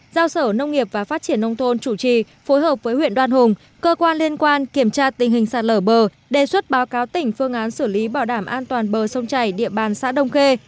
giao sở nông nghiệp và phát triển nông thôn chủ trì phối hợp với huyện đoan hùng cơ quan liên quan kiểm tra tình hình sạt lở bờ đề xuất báo cáo tỉnh phương án xử lý bảo đảm an toàn bờ sông chảy địa bàn xã đông khê